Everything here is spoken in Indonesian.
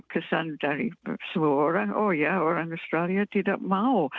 kesan dari semua orang oh ya orang australia tidak mau